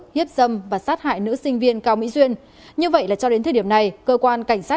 hiếp dâm và sát hại nữ sinh viên cao mỹ duyên như vậy là cho đến thời điểm này cơ quan cảnh sát